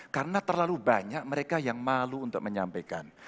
karena terlalu banyak mereka yang malu untuk menyampaikan